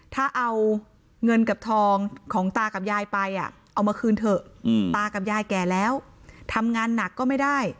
ถ้าเอาเงินกับทองของตากับยายไปเอามาคืนเถอะตากับยายแก่แล้วทำงานหนักก็ไม่ได้